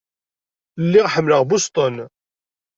Lliɣ ḥemmleɣ Boston.